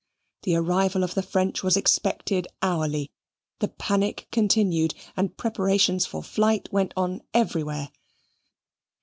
The arrival of the French was expected hourly; the panic continued, and preparations for flight went on everywhere.